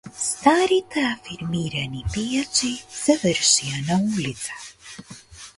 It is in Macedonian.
Старите афирмирани пејачи завршија на улица